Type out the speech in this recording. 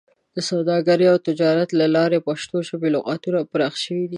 د سوداګرۍ او تجارت له لارې د پښتو ژبې لغتونه پراخه شوي دي.